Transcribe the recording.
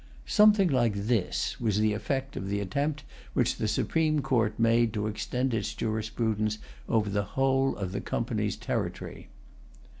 Something like this was the effect of the attempt which the Supreme Court made to extend its jurisprudence over the whole of the Company's territory.